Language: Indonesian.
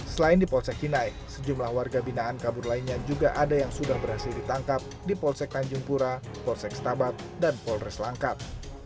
selain di polsek hinai sejumlah warga binaan kabur lainnya juga ada yang sudah berhasil ditangkap di polsek tanjung pura polsek setabat dan polres langkat